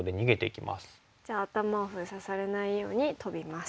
じゃあ頭を封鎖されないようにトビます。